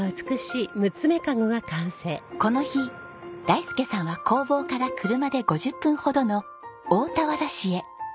この日大介さんは工房から車で５０分ほどの大田原市へ。